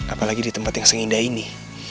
apalagi di tempat yang seindah ini